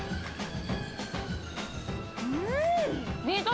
うん！